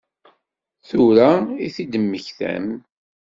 Tura i t-id-temmektam?